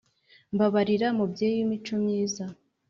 mbabarira mubyeyi w’imico myiza